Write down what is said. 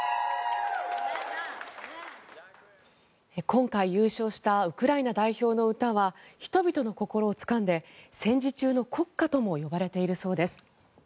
今回、優勝したウクライナ代表の歌は人々の心をつかんで戦時中の国歌とも呼ばれているそうです。